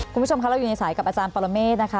คุณผู้ชมคะเราอยู่ในสายกับอาจารย์ปรเมฆนะคะ